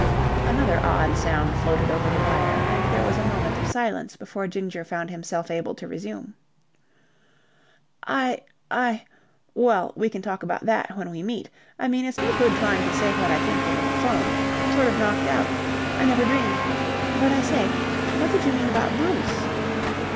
Another odd sound floated over the wire, and there was a moment of silence before Ginger found himself able to resume. "I... I... Well, we can talk about that when we meet. I mean, it's no good trying to say what I think over the 'phone, I'm sort of knocked out. I never dreamed... But, I say, what did you mean about Bruce?"